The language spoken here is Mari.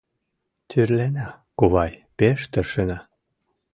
Тӱрлена, кувай, пеш тыршена.